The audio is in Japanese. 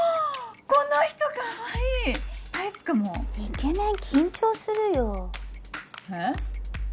この人かわいいタイプかもイケメン緊張するよえっ？